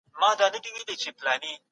زموږ ټولني ډېري ترخې تجربې زغملي دي.